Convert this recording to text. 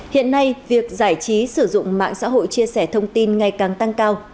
hiện nay việc giải trí sử dụng mạng xã hội chia sẻ thông tin ngày càng tăng cao